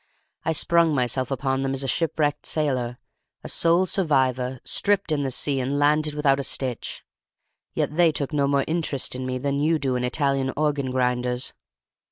I sprung myself upon them as a shipwrecked sailor—a sole survivor—stripped in the sea and landed without a stitch—yet they took no more interest in me than you do in Italian organ grinders.